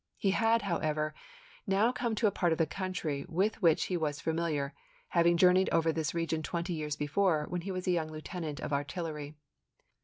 He had, how ever, now come to a part of the country with which he was familiar, having journeyed over this region twenty years before, when he was a young lieuten ant of artillery.